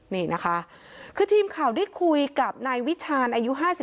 นี่นะคะคือทีมข่าวได้คุยกับนายวิชาณอายุ๕๓